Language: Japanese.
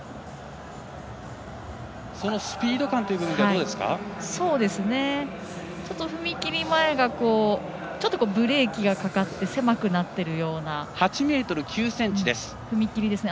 そのスピード感という部分は踏み切り前がちょっとブレーキがかかって狭くなっているような踏み切りですね。